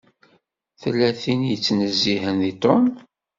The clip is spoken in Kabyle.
Tella tin i yettnezzihen deg Tom.